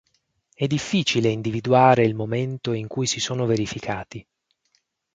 È difficile individuare il momento in cui si sono verificati.